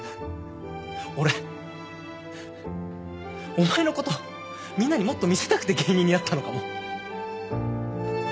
俺お前の事をみんなにもっと見せたくて芸人になったのかも。